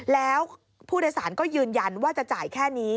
แล้วผู้โดยสารก็ยืนยันว่าจะจ่ายแค่นี้